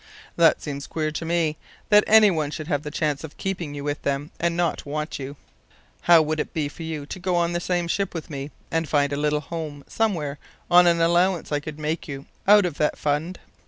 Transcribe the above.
"That seems queer to me: that any one should have the chance of keeping you with them, and not want you ... How would it be for you to go on the same ship with me, and find a little home somewhere on an allowance I could make you out of that fund?